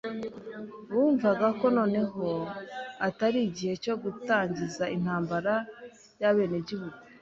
Bumvaga ko noneho atari igihe cyo gutangiza intambara y'abenegihugu.